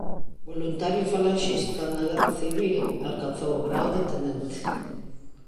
Voluntario falanxista na guerra civil alcanzou o grao de tenente.